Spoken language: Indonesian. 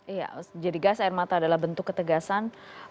iya jadi gas air mata adalah bentuk ketegasan